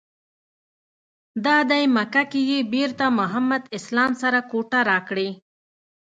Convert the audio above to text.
دادی مکه کې یې بېرته محمد اسلام سره کوټه راکړې.